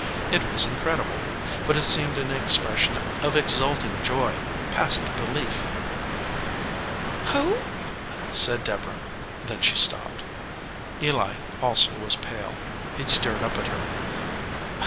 It was incredible, but it seemed an expression of ex ulting joy, past belief. "Who ?" said Deborah. Then she stopped. Eli also was pale. He stared up at her.